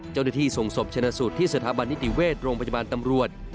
เจ้าหน้าที่ส่งศพชนะสูตรที่สถาบันนิติเวชโรงพยาบาลตำรวจ